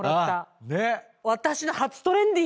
ねっ！